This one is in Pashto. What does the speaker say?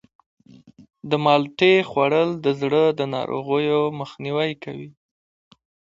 د مالټې خوړل د زړه د ناروغیو مخنیوی کوي.